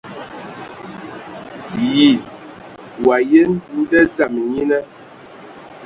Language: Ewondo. Yi wa yen nda dzama nyina?